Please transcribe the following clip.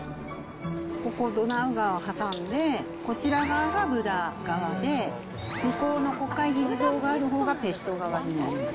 ここ、ドナウ川を挟んで、こちら側がブダ側で、向こうの国会議事堂がある側がペスト側になります。